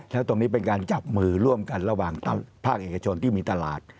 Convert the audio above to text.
แล้วตรงนี้เป็นการจับมือร่วมกันระหว่างภาคเอกชนที่มีตลาด